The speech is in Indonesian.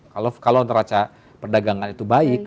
kalau neraca perdagangan itu baik